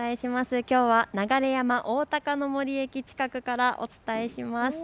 きょうは流山おおたかの森駅近くからお伝えします。